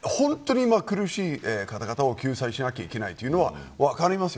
本当に苦しい方々を救済しなきゃいけないというのは分かります。